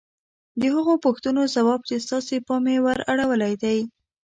د هغو پوښتنو ځواب چې ستاسې پام يې ور اړولی دی.